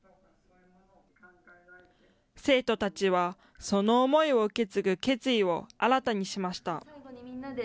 生徒たちはその思いを受け継ぐ決意を新たにしました。